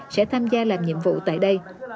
sẽ tham gia làm nhiệm vụ tại đây